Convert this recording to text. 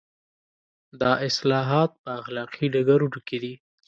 دا اصلاحات په اخلاقي ډګرونو کې دي.